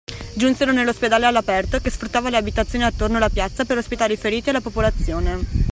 Giunsero nell’ospedale all’aperto, che sfruttava le abitazioni attorno la piazza per ospitare i feriti e la popolazione.